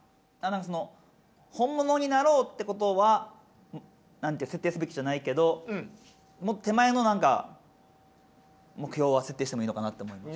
その本物になろうってことは設定すべきじゃないけどもっと手前の何か目標は設定してもいいのかなと思いました。